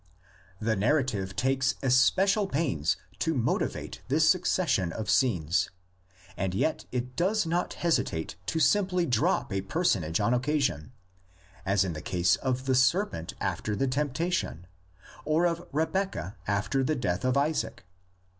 The narrative takes especial pains to motivate this succession of scenes; and yet it does not hesitate to simply drop a personage on occasion, as in the case of the serpent after the temptation, or of Rebeccah after the death of Isaac.